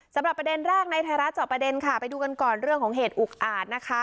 ประเด็นแรกในไทยรัฐจอบประเด็นค่ะไปดูกันก่อนเรื่องของเหตุอุกอาจนะคะ